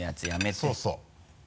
そうそう。